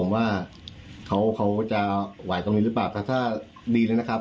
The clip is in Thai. ว่าเขาจะไหวตรงนี้หรือเปล่าถ้าดีแล้วนะครับ